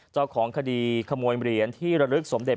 เจ้าของคดีขโมยเหรียญที่ระลึกสมเด็